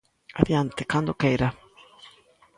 Adiante, cando queira.